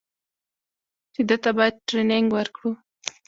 چې ده ته بايد ټرېننگ ورکړو.